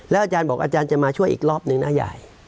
อาจารย์บอกอาจารย์จะมาช่วยอีกรอบนึงนะยาย